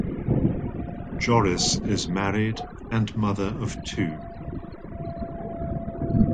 Joris is married and mother of two.